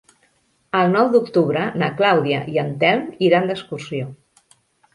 El nou d'octubre na Clàudia i en Telm iran d'excursió.